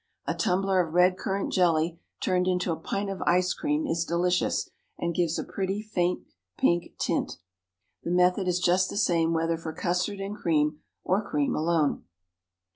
A tumbler of red currant jelly turned into a pint of ice cream is delicious, and gives a pretty, faint pink tint. The method is just the same whether for custard and cream or cream alone.